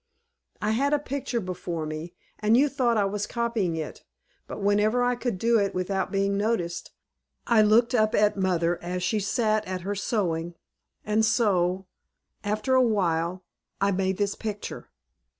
"I had a picture before me, and you thought I was copying it, but whenever I could do it without being noticed, I looked up at mother as she sat at her sewing, and so, after awhile, I made this picture."